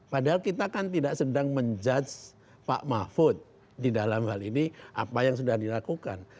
padahal kita kan tidak sedang menjudge pak mahfud di dalam hal ini apa yang sudah dilakukan